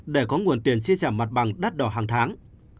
để có nguồn tiền chi trả mặt bằng đắt đỏ hàng tháng